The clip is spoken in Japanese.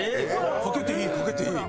かけていいかけていい。